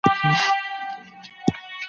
د دې جرګې نوم څه معنی لري؟